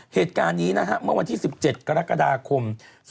เหตุการณ์นี้นะฮะเมื่อวันที่๑๗กรกฎาคม๒๕๖